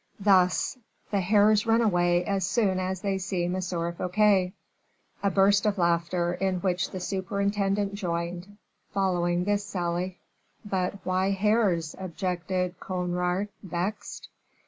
"Thus: The hares run away as soon as they see M. Fouquet." A burst of laughter, in which the superintendent joined, followed this sally. "But why hares?" objected Conrart, vexed.